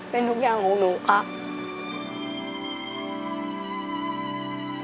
เป็นทุกอย่างของหนูครับ